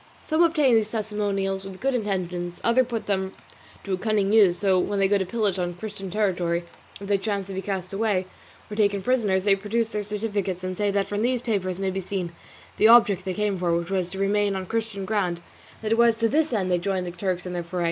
Some obtain these testimonials with good intentions, others put them to a cunning use; for when they go to pillage on Christian territory, if they chance to be cast away, or taken prisoners, they produce their certificates and say that from these papers may be seen the object they came for, which was to remain on Christian ground, and that it was to this end they joined the Turks in their foray.